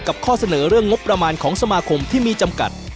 ข้อเสนอเรื่องงบประมาณของสมาคมที่มีจำกัด